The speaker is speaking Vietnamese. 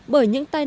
bởi những tay